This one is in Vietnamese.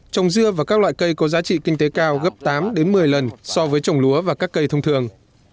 trồng dưa và các loại cây có giá trị kinh tế cao gấp tám một mươi lần so với trồng lúa và các cây thông thường